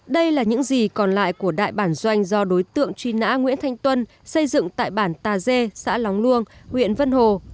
đây là những gì còn lại của đại bản doanh do đối tượng truy nã nguyễn thanh tuân xây dựng tại bản tà dê xã lóng luông huyện vân hồ